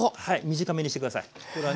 はい短めにしてください。